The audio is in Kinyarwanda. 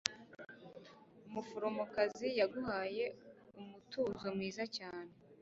Umuforomokazi yaguhaye umutuzo mwiza cyane